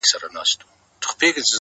ډک گيلاسونه دي شرنگيږي، رېږدي بيا ميکده،